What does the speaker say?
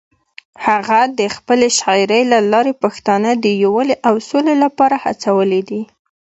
هغه د خپلې شاعرۍ له لارې پښتانه د یووالي او سولې لپاره هڅولي دي.